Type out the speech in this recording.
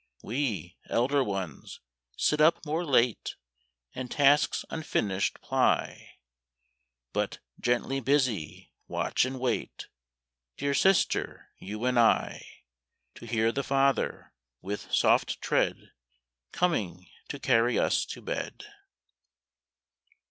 We, elder ones, sit up more late, And tasks unfinished ply, But, gently busy, watch and wait Dear sister, you and I, To hear the Father, with soft tread, Coming to carry us to bed.